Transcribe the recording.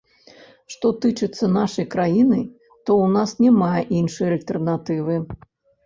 Што тычыцца нашай краіны, то ў нас няма іншай альтэрнатывы.